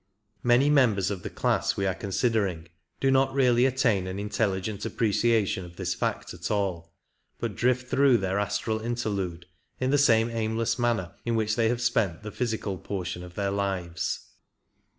Many members of the class we are considering do not really attain an intelligent appreciation of this fact at all, but drift through their astral interlude in the same aimless manner in which they have spent the physical portion of their lives.